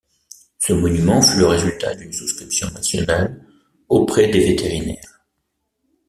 Ce monument fut le résultat d’une souscription nationale auprès des vétérinaires.